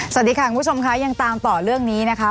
สวัสดีค่ะคุณผู้ชมค่ะยังตามต่อเรื่องนี้นะคะ